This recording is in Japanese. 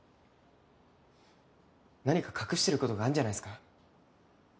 何か隠してることがあるんじゃないっすか？